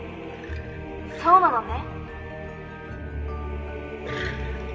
そうなのね。